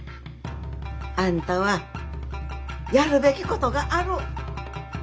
あんたはやるべきことがある。